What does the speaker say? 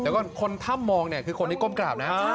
เดี๋ยวก่อนคนทำมองเนี้ยคือคนที่ก้มกราบนะ